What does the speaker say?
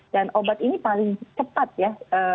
dan obat ini paling cepat ya